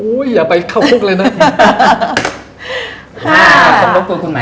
โอ้ยอย่าไปเข้าพุกเลยนะ